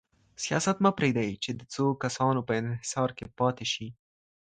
سياست مه پرېږدئ چي د څو کسانو په انحصار کي پاته سي.